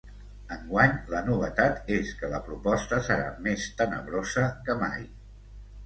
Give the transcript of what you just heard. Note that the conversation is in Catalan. Enguany, la novetat és que la proposta serà més tenebrosa que mai.